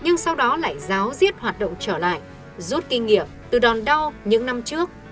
nhưng sau đó lại ráo riết hoạt động trở lại rút kinh nghiệm từ đòn đau những năm trước